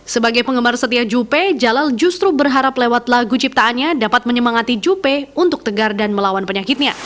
sebagai penggemar setia juppe jalal justru berharap lewat lagu ciptaannya dapat menyemangati juppe untuk tegar dan melawan penyakitnya